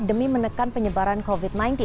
demi menekan penyebaran covid sembilan belas